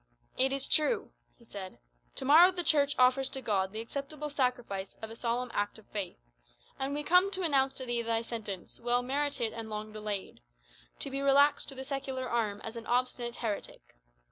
"It is true," he said. "To morrow the Church offers to God the acceptable sacrifice of a solemn Act of Faith. And we come to announce to thee thy sentence, well merited and long delayed to be relaxed to the secular arm as an obstinate heretic.